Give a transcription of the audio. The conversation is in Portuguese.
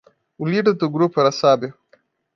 O líder do grupo era sábio.